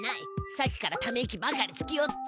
さっきからため息ばかりつきよって。